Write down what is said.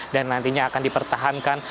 dan nantinya akan dipertahankan